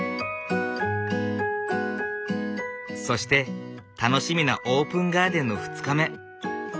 そして楽しみなオープンガーデンの２日目。